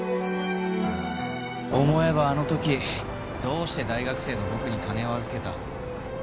思えばあの時どうして大学生の僕に金を預けた？